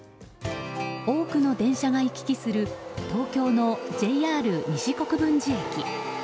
多くの電車が行き来する東京のＪＲ西国分寺駅。